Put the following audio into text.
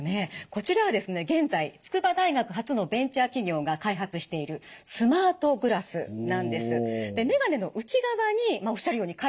こちらはですね現在筑波大学発のベンチャー企業が開発しているスマートグラスなんです。